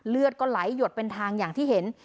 เลือดก็ไหลหยดเป็นทางอย่างที่เห็น